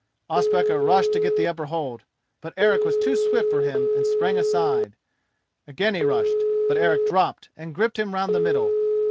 Ospakar rushed to get the upper hold, but Eric was too swift for him and sprang aside. Again he rushed, but Eric dropped and gripped him round the middle.